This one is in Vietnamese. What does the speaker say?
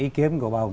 ý kiến của bà hồng